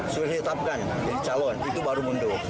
sudah ditetapkan jadi calon itu baru mundur